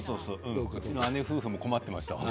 うちの姉夫婦も困っていました。